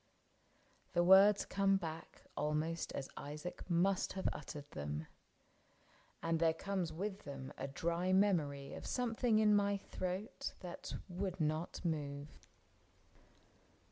— The words come back Almost as Isaac must have uttered them. And there comes with them a dry memory Of something in my throat that would not move.